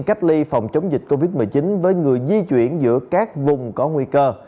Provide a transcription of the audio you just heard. cách ly phòng chống dịch covid một mươi chín với người di chuyển giữa các vùng có nguy cơ